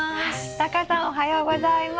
タカさんおはようございます。